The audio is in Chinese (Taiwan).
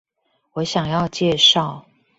我想要介紹